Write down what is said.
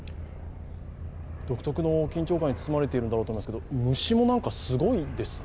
独特の緊張感に包まれているんだろうと思うんですけど虫もなんか、すごいですね。